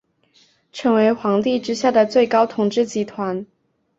成为皇帝之下的最高统治集团。